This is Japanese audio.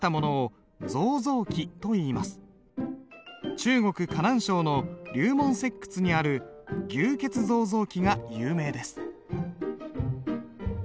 中国・河南省の龍門石窟にある「牛造像記」が有名です。